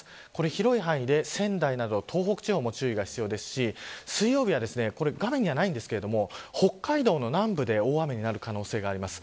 広い範囲で仙台や東北地方も注意が必要ですし水曜日は画面にはないんですが北海道の南部で大雨になる可能性があります。